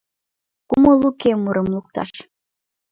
Кумыл уке мурым лукташ —